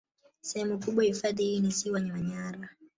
Sehemu kubwa ya hifadhi hii ni ziwa Manyara